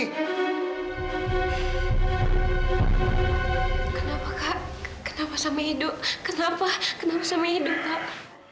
kenapa kak kenapa sama edo kenapa kenapa sama edo kak